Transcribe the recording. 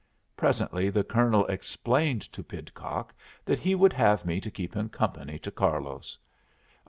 Presently the Colonel explained to Pidcock that he would have me to keep him company to Carlos.